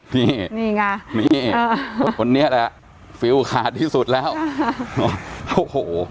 นี่นี่ไงนี่คนนี้แหละฟิลขาดที่สุดแล้วโอ้โห